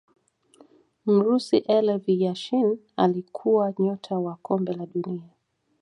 mrusi elev Yashin Alikuwa nyota wa kombe la dunia